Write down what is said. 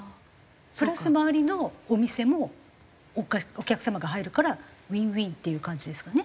プラス周りのお店もお客様が入るからウィンウィンっていう感じですかね？